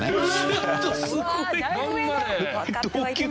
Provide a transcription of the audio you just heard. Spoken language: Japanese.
ちょっとすごい！同級生。